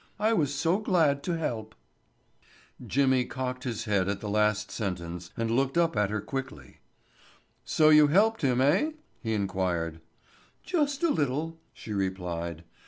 I was so glad to help." Jimmy cocked his head at the last sentence and looked up at her quickly. "So you helped him, eh?" he inquired. "Just a little," she replied.